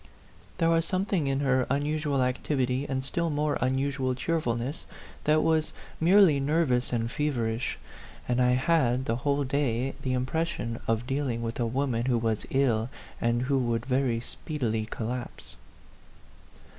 There was something in her unusual activity and still more unusual cheerfulness that was merely nervous and feverish ; and I had, the whole day, the impression of dealing with a woman who was ill and who would very speedily collapse.